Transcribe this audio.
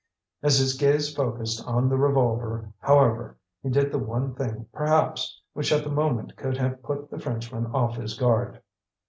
As his gaze focussed on the revolver, however, he did the one thing, perhaps, which at that moment could have put the Frenchman off his guard.